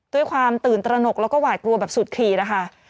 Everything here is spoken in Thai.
ด้วยความตื่นตระหนกแล้วก็หวาดกลัวแบบสุดขีดนะคะ